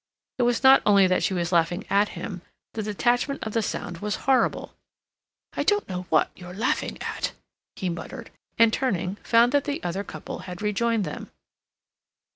It was not only that she was laughing at him; the detachment of the sound was horrible. "I don't know what you're laughing at," he muttered, and, turning, found that the other couple had rejoined them.